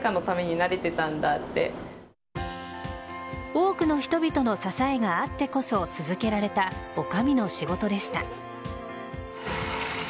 多くの人々の支えがあってこそ続けられた女将の仕事でした。